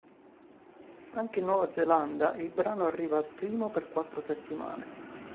Anche in Nuova Zelanda il brano arriva primo per quattro settimane.